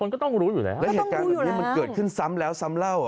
คนก็ต้องรู้อยู่แล้วมันเกิดขึ้นซ้ำแล้วซ้ำเล่า